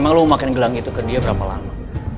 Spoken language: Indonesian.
emang lo makin gelang itu ke dia berapa lama